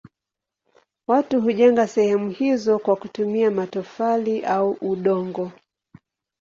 Watu hujenga sehemu hizo kwa kutumia matofali au udongo.